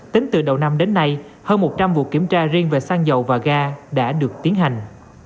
tính từ đầu năm đến nay hơn một trăm linh vụ kiểm tra riêng về xăng dầu và ga đã được tiến hành